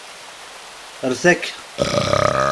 Rret akka